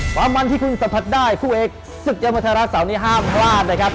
ความมันที่คุณสัมผัสได้คู่เอกศึกยอดมวยไทยรัฐเสาร์นี้ห้ามพลาดนะครับ